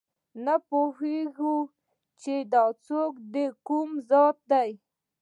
نه پوهېږو چې دا څوک دي دکوم ذات دي